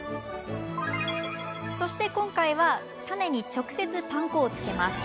そして、今回はタネに直接パン粉をつけます。